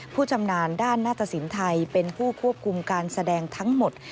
ชำนาญด้านหน้าตสินไทยเป็นผู้ควบคุมการแสดงทั้งหมด